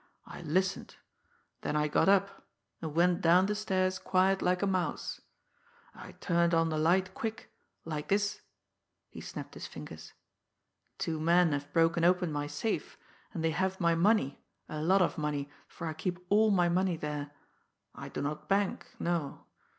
I listened. Then I got up, and went down the stairs quiet like a mouse. I turned on the light quick like this" he snapped his fingers. "Two men have broken open my safe, and they have my money, a lot of money, for I keep all my money there; I do not bank no.